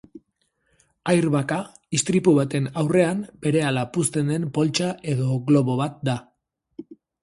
Airbag-a istripu baten aurrean berehala puzten den poltsa edo globo bat da.